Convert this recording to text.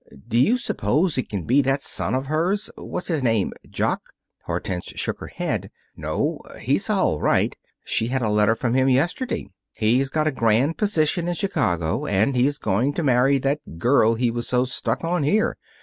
Do you suppose it can be that son of hers what's his name? Jock." Hortense shook her head. "No; he's all right. She had a letter from him yesterday. He's got a grand position in Chicago, and he's going to marry that girl he was so stuck on here.